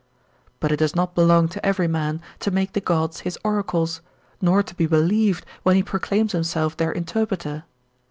But it does not belong to every man to make the gods his oracles, nor to be believed when he proclaims him self their interpreter.